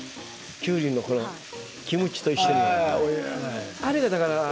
きゅうりのキムチと一緒に。